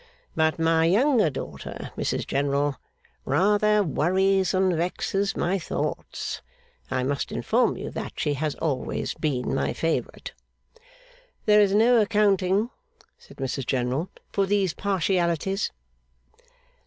But my younger daughter, Mrs General, rather worries and vexes my thoughts. I must inform you that she has always been my favourite.' 'There is no accounting,' said Mrs General, 'for these partialities.